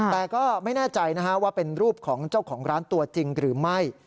แต่ก็ไม่แน่ใจนะฮะว่าเป็นรูปของเจ้าของร้านตัวจริงหรือไม่